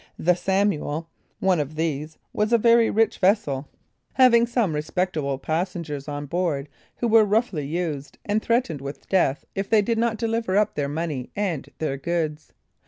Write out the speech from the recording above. The Samuel, one of these, was a very rich vessel, having some respectable passengers on board, who were roughly used, and threatened with death if they did not deliver up their money and their goods.